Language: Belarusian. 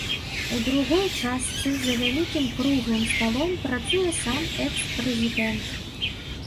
У другой частцы за вялікім круглым сталом працуе сам экс-прэзідэнт.